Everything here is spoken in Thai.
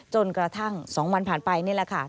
จนกระทั่ง๒วันผ่านไปนี่แหละค่ะ